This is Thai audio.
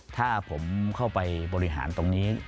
ถ้าผมเข้าไปบริหารตรงนี้